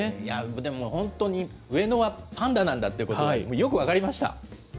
でも本当に上野はパンダなんだっていうことがよく分かりました。